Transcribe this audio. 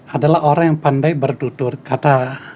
adalah orang yang pandai berdudur kata